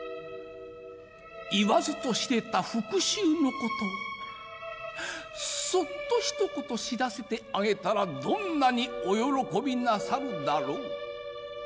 言わずと知れた復讐の事をそっと一言知らせてあげたらどんなにお喜びなさるだろう。